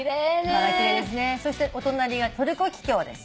そしてお隣がトルコギキョウです。